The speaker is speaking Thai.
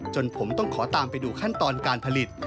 จนผมต้องขอตามไปดูขั้นตอนการผลิต